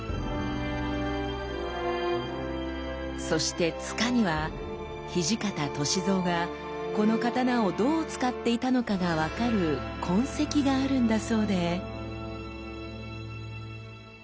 そして柄には土方歳三がこの刀をどう使っていたのかが分かる痕跡があるんだそうで。